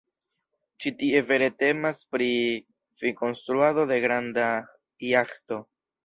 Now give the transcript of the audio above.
Ĉi tie vere temas pri finkonstruado de granda jaĥto.